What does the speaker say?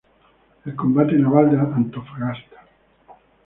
El Combate Naval de Antofagasta.